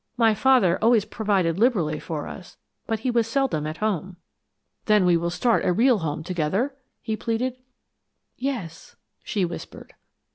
My father always provided liberally for us, but, he was seldom at home." "Then we will start a real home together?" he pleaded. "Yes," she whispered.